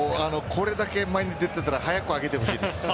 これだけ前に出ていたら早く上げてほしいです。